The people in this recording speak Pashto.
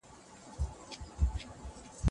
له بې وزلو او مرييانو سره تل مرسته وکړئ.